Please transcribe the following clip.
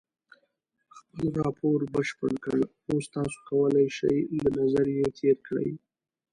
مونږ خپل راپور بشپړ کړی اوس ته کولای شې له نظر یې تېر کړې.